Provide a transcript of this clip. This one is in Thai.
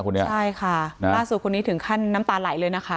คนนี้ใช่ค่ะล่าสุดคนนี้ถึงขั้นน้ำตาไหลเลยนะคะ